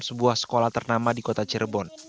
sebuah sekolah ternama di kota cirebon